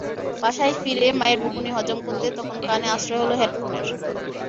বাসায় ফিরে মায়ের বকুনি হজম করতে তখন কানে আশ্রয় হলো হেডফোনের।